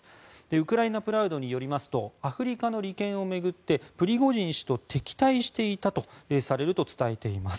ウクライナ・プラウダによりますとアフリカの利権を巡ってプリゴジン氏と敵対していたとされると伝えています。